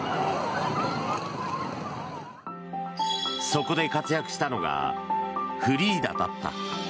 そこで活躍したのがフリーダだった。